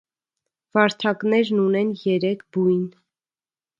Վարդակներն ունեն երեք բույն։